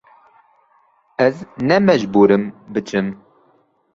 Ez ne mecbûr im biçim.